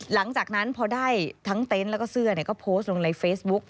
หลังจากนั้นพอได้ทั้งเต็นต์แล้วก็เสื้อก็โพสต์ลงในเฟซบุ๊ก